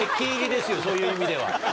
そういう意味では。